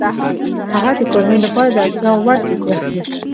هغه د کورنۍ لپاره د اړتیا وړ توکي اخلي